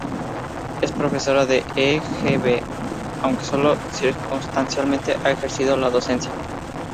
Es profesora de E. G. B, aunque solo circunstancialmente ha ejercido la docencia.